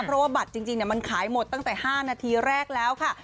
เพราะว่าบัตรจริงมันขายหมดตั้งแต่๕นาทีแรกแล้วค่ะ